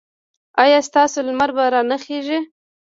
ایا ستاسو لمر به را نه خېژي؟